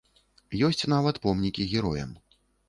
Ёсць нават помнікі героям.